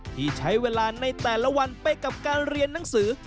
ที่ใช้เวลาในแต่ละวันไปกับการเรียนหนังสือ